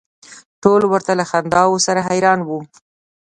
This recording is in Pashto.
ټول ورته له خنداوو سره حیران و.